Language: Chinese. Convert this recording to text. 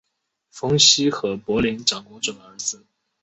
冯熙和博陵长公主的儿子。